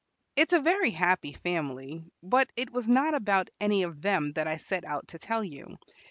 It is a very happy family, but it was not about any of them that I set out to tell you.